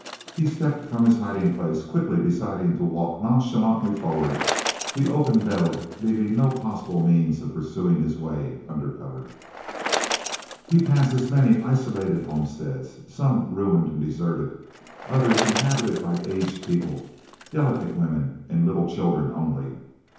He stepped from his hiding place, quickly deciding to walk nonchalantly forward, the open veld leaving no possible means of pursuing his way under cover. He passes many isolated homesteads, some ruined and deserted, others inhabited by aged people, delicate women, and little children only.